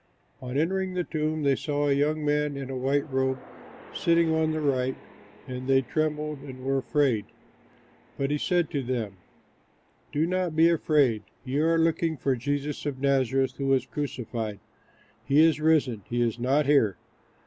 On entering the tomb they saw a young man in a white robe sitting on the right, and they trembled and were afraid. But he said to them, "Do not be afraid. You are looking for Jesus of Nazareth, who was crucified. He is risen; he is not here.